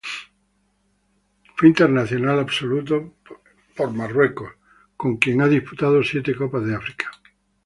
Fue internacional absoluto por Marruecos, con quien ha disputado siete Copas de África.